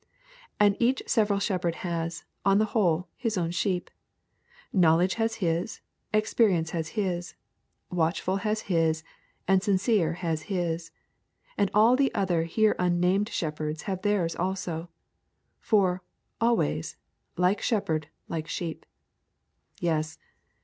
And each several shepherd has, on the whole, his own sheep. Knowledge has his; Experience has his; Watchful has his; and Sincere has his; and all the other here unnamed shepherds have all theirs also. For, always, like shepherd like sheep. Yes.